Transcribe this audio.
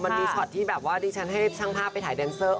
มันมีภาพที่ฉันให้ช่างภาพไปถ่ายดานเซอร์